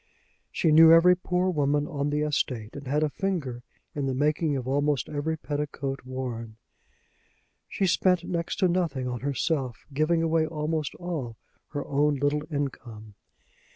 She knew every poor woman on the estate, and had a finger in the making of almost every petticoat worn. She spent next to nothing on herself, giving away almost all her own little income.